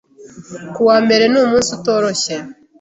Ku wa mbere ni umunsi utoroshye.